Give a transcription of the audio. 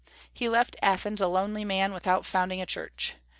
He left Athens a lonely man, without founding a church.